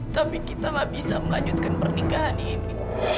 tapi kita gak bisa melanjutkan pernikahan ini